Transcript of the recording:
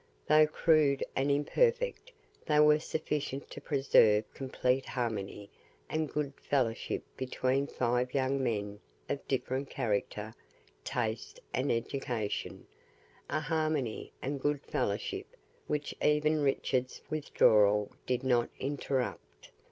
Though crude and imperfect, they were sufficient to preserve complete harmony and good fellowship between five young men of different character, taste, and education a harmony and good fellowship which even Richard's withdrawal did not interrupt.